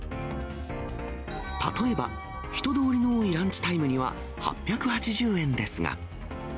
例えば、人通りの多いランチタイムには８８０円ですが。